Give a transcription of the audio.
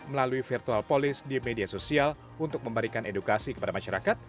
melalui virtual police di media sosial untuk memberikan edukasi kepada masyarakat